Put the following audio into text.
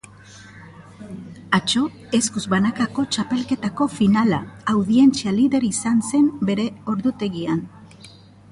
Atzo, eskuz banakako txapelketako finala audientzia lider izan zen bere ordutegian.